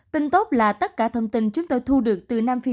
tình tốt là tất cả thông tin chúng tôi thu được từ nam phi